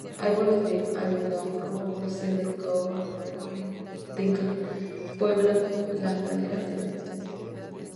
Árboles de algarrobo, cedro, caoba, magnolia y teca pueblan las laderas de las montañas.